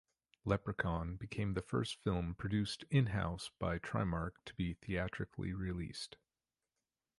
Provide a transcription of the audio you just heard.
"Leprechaun" became the first film produced in-house by Trimark to be theatrically released.